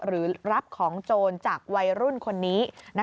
หรือรับของโจรจากวัยรุ่นคนนี้